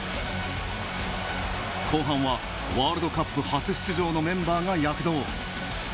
後半はワールドカップ初出場のメンバーが躍動。